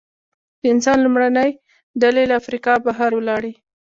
د انسان لومړنۍ ډلې له افریقا بهر ولاړې.